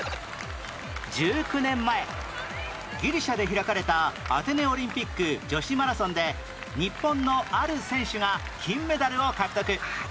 １９年前ギリシャで開かれたアテネオリンピック女子マラソンで日本のある選手が金メダルを獲得